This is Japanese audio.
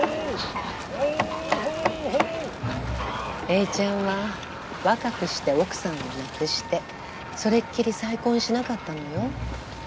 えいちゃんは若くして奥さんを亡くしてそれっきり再婚しなかったのよ。